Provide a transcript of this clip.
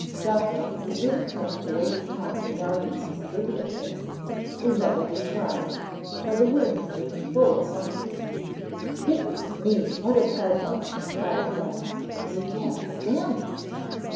Jocko, who didn't care to waste time regarding these trivial things, redoubled his cries, till the room seemed full of monkeys. "Goodness me, what a bedlam!" cried Ben. "You can't stand this."